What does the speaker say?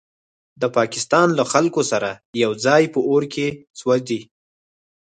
د پاکستان له خلکو سره یوځای په اور کې سوځي.